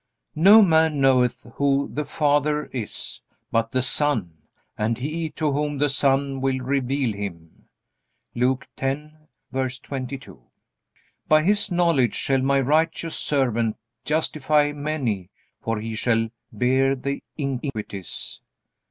"No man knoweth who the Father is, but the Son, and he to whom the Son will reveal him." (Luke 10:22.) "By his knowledge shall my righteous servant justify many; for he shall bear their iniquities."